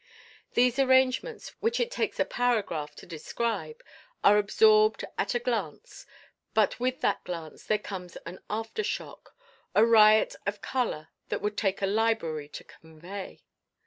These arrangements, which it takes a paragraph to describe, are absorbed at a glance, but with that glance there comes an aftershock a riot of color that would take a library to convey.